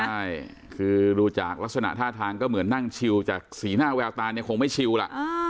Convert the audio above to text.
ใช่คือดูจากลักษณะท่าทางก็เหมือนนั่งชิวจากสีหน้าแววตาเนี่ยคงไม่ชิวล่ะ